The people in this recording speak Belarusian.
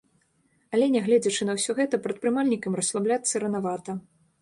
Але, нягледзячы на ўсё гэта, прадпрымальнікам расслабляцца ранавата.